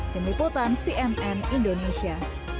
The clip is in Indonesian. deniputan cnn indonesia